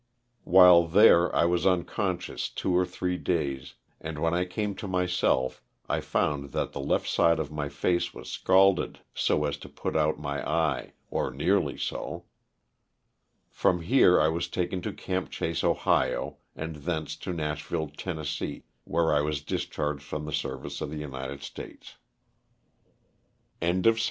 While there I was unconscious two or three days, and when I came to myself I found that the left side of my face was scalded so as to put out my eye, or nearly so. From here I was taken to '^Camp Chase," Ohio, and thence to Nashville, Tenn., where I was dis pharged from the service of the United States. LOSS OF THE SULTAlfA.